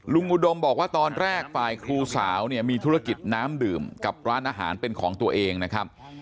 อุดมบอกว่าตอนแรกฝ่ายครูสาวเนี่ยมีธุรกิจน้ำดื่มกับร้านอาหารเป็นของตัวเองนะครับ